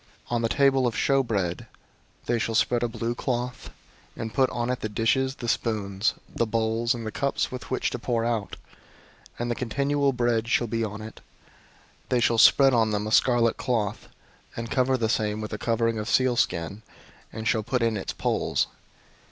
004:007 On the table of show bread they shall spread a blue cloth, and put on it the dishes, the spoons, the bowls, and the cups with which to pour out; and the continual bread shall be on it. 004:008 They shall spread on them a scarlet cloth, and cover the same with a covering of sealskin, and shall put in its poles.